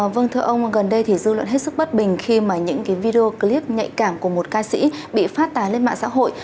vâng thưa ông gần đây dư luận hết sức bất bình khi những video clip nhạy cảm của một ca sĩ bị phát tán lên mạng xã hội